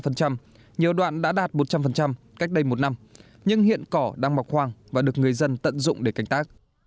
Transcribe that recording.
nhiều đoạn đã đạt một trăm linh cách đây một năm nhưng hiện cỏ đang mọc hoang và được người dân tận dụng để canh tác